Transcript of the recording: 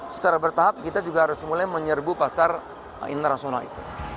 secara bertahap kita juga harus mulai menyerbu pasar internasional itu